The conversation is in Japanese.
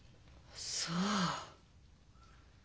そう。